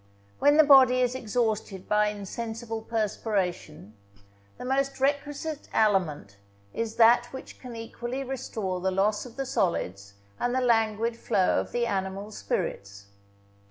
When the body is exhausted by insensible perspiration, the most requisite aliment is that which can equally restore the loss of the solids and the languid flow of the animal spirits.